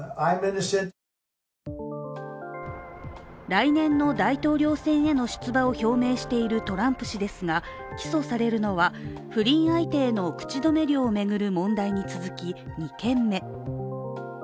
来年の大統領選への出馬を表明しているトランプ氏ですが起訴されるのは、不倫相手への口止め料を巡る問題に続き２件目。